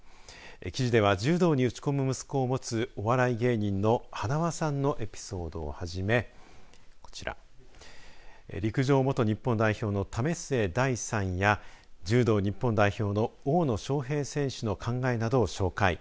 記事では柔道に打ち込む息子を持つお笑い芸人のはなわさんのエピソードをはじめこちら陸上元日本代表の為末大さんや柔道日本代表の大野将平選手の考えなどを紹介。